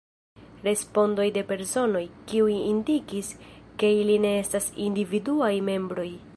Respondoj de personoj, kiuj indikis, ke ili ne estas individuaj membroj.